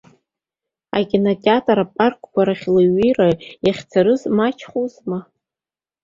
Акино, атеатр, апаркқәа рахь леиҩеира иахьцарыз мачхәызма.